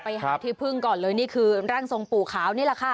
ไปหาที่พึ่งก่อนเลยนี่คือร่างทรงปู่ขาวนี่แหละค่ะ